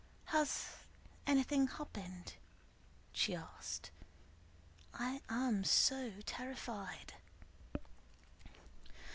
"Has anything happened?" she asked. "I am so terrified."